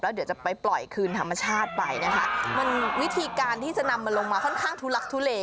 เดี๋ยวจะไปปล่อยคืนธรรมชาติไปนะคะมันวิธีการที่จะนำมันลงมาค่อนข้างทุลักทุเล